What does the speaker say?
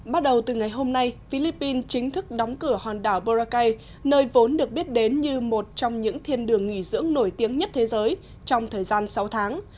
bắt đầu từ ngày hôm nay philippines chính thức đóng cửa hòn đảo boracay nơi vốn được biết đến như một trong những thiên đường nghỉ dưỡng nổi tiếng nhất thế giới trong thời gian sáu tháng